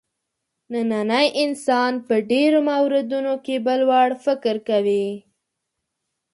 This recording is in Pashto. نننی انسان په ډېرو موردونو کې بل وړ فکر کوي.